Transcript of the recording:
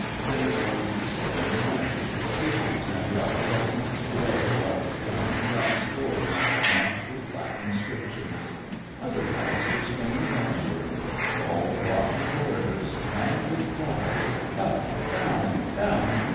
There was soaring lights, figures and the opalescent glow of ground glass doors marked with black inscriptions. Other lights were springing heavenward. All the lofty corridors rang with cries. "Up!" "Down!" "Down!"